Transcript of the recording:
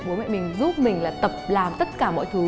bố mẹ mình giúp mình là tập làm tất cả mọi thứ